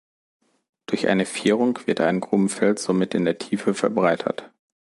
Durch eine Vierung wird ein Grubenfeld somit in der Tiefe verbreitert.